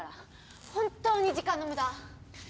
本当に時間の無駄。